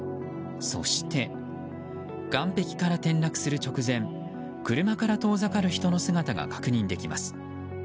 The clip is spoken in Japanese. そして、岸壁から転落する直前車から遠ざかる人の姿が確認できます。